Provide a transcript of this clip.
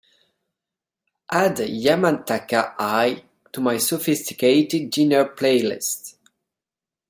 add Yamataka Eye to my sophisticated dinner playlist